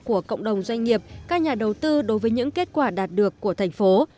của cộng đồng doanh nghiệp các nhà đầu tư đối với những kết quả đạt được của thành phố